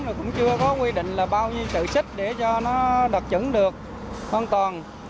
rồi cũng chưa có quy định là bao nhiêu sợi xích để cho nó đặc trứng được hoàn toàn